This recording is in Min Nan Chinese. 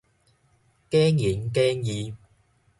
假仁假義